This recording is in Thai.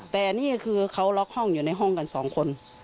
แต่นี่คือเขาล็อกห้องอยู่ในห้องกันสองคน